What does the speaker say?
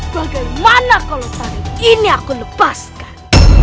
bagaimana kalau tari ini aku lepaskan